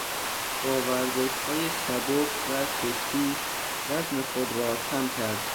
با ورزشهای سبک و کشتی وزن خود را کم کرد.